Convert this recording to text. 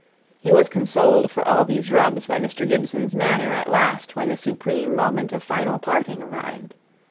He was consoled for all these rubs by Mr. Gibson's manner at last when the supreme moment of final parting arrived.